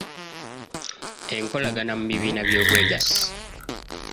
Enkolagana mu Bibiina by’Obwegassi.